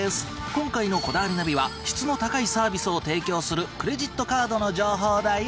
今回の『こだわりナビ』は質の高いサービスを提供するクレジットカードの情報だよ！